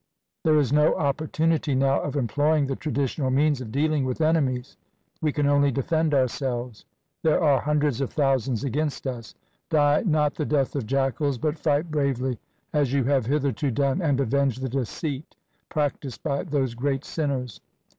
There is no opportunity now of employing the traditional means of dealing with enemies. We can only defend ourselves. There are hundreds of thousands against us. Die not the death of jackals, but fight bravely as you have hitherto done, and avenge the deceit practised by those great sinners.